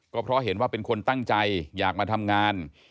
ก็เพราะเห็นว่าเป็นคนตั้งใจอยากมาทำงาน